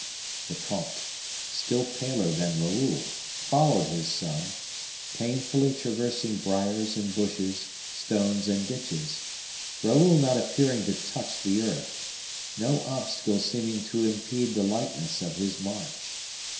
The comte, still paler than Raoul, followed his son, painfully traversing briers and bushes, stones and ditches, Raoul not appearing to touch the earth, no obstacle seeming to impede the lightness of his march.